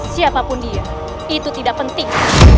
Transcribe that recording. siapapun dia itu tidak penting